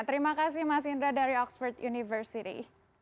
terima kasih mas indra dari oxford university